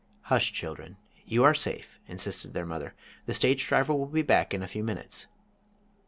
"Hush, children, you are safe," insisted their mother. "The stage driver will be back in a few minutes."